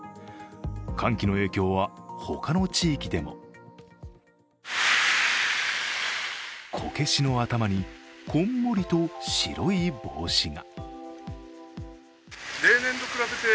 寒気の影響は他の地域でもこけしの頭に、こんもりと白い帽子が。